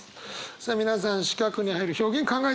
さあ皆さん四角に入る表現考えてみましょう。